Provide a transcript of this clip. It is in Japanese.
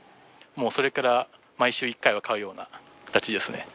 もうそれから毎週１回は買うような形ですね。